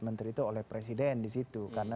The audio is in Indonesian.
menteri itu oleh presiden di situ karena